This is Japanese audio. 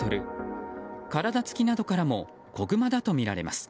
体つきなどからも子グマだとみられます。